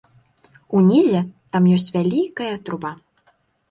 Унізе там ёсць вялікая труба.